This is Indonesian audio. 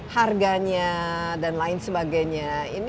harganya dan lain sebagainya